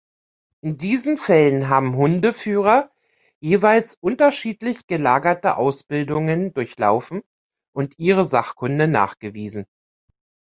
In diesen Fällen haben Hundeführer jeweils unterschiedlich gelagerte Ausbildungen durchlaufen und ihre Sachkunde nachgewiesen.